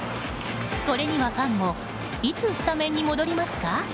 これにはファンもいつスタメンに戻りますか？